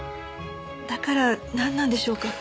だからなんなんでしょうか？